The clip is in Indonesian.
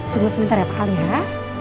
tunggu sebentar ya pak ali ya